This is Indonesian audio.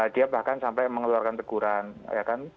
dia bahkan sampai mengeluarkan teguran